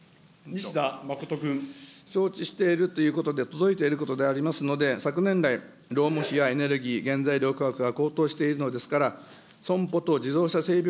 承知しているということで、届いていることでありますので、昨年来、労務費やエネルギー、原材料価格が高騰しているのですから、損保と自動車整備